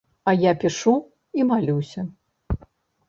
А я пішу і малюся.